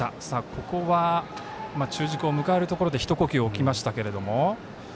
ここは中軸を迎えるところで一呼吸、置きましたけども。